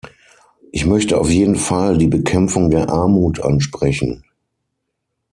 Ich möchte auf jeden Fall die Bekämpfung der Armut ansprechen.